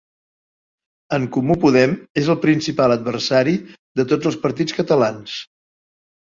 En Comú Podem és el principal adversari de tots els partits catalans.